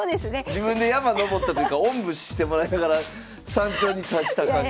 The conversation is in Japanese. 自分で山登ったというかおんぶしてもらいながら山頂に達した感じ。